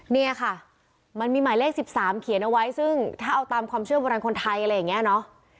เนี่ยค่ะมันมีหมายเลข๑๓เขียนเอาไว้ซึ่งถ้าเอาตามความเชื่อโบราณคนไทยอะไรอย่างนี้เนอะ